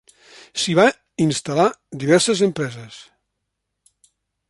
S'hi va instal·lar diverses empreses.